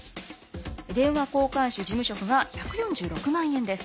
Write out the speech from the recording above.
電話交換手事務職が１４６万円です。